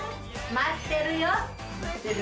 待ってるよ。